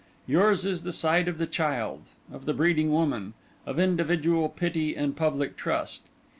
Yours is the side of the child, of the breeding woman, of individual pity and public trust.